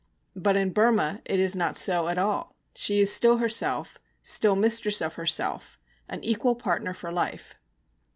But in Burma it is not so at all. She is still herself, still mistress of herself, an equal partner for life.